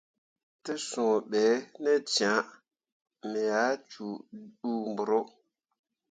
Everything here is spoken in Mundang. Te sũũ be ne cãã, me ah ɗuu mbǝro.